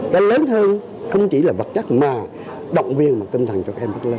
cái lớn hơn không chỉ là vật chất mà động viên tinh thần cho các em